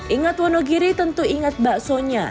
ingat wonogiri tentu ingat baksonya